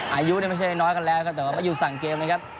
อายุไม่ใช่ให้น้อยกันแล้วแต่ว่ามายุสั่งเกมนะครับ